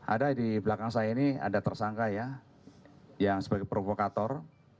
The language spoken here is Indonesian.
ada di belakang saya ini ada tersangka ya yang sebagai provokator